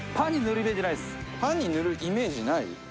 パンに塗るイメージない？